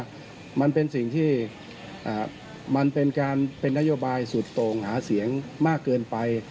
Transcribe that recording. เพราะฉะนั้นผมเชื่อว่ามันเป็นการเป็นนัยโยบายสุดโต่งหาเสียงมากเกินไป